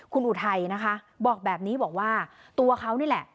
คุณอุทัยนะคะบอกแบบนี้บอกว่าตัวเขานี่แหละ